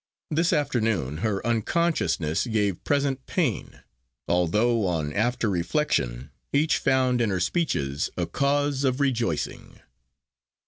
This afternoon her unconsciousness gave present pain, although on after reflection each found in her speeches a cause of rejoicing.